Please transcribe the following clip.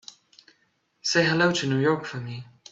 Say hello to New York for me.